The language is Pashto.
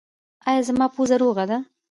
ایا زما پوزه روغه ده؟